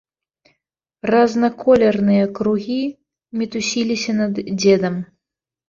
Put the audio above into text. Разнаколерныя кругі мітусіліся над дзедам.